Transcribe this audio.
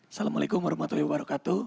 assalamu'alaikum warahmatullahi wabarakatuh